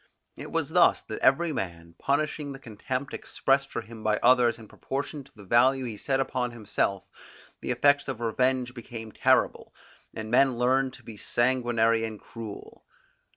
It was thus that every man, punishing the contempt expressed for him by others in proportion to the value he set upon himself, the effects of revenge became terrible, and men learned to be sanguinary and cruel.